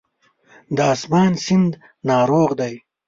د آسمان سیند ناروغ دی